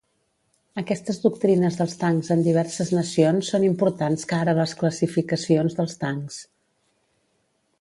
Aquestes doctrines dels tancs en diverses nacions són importants cara les classificacions dels tancs.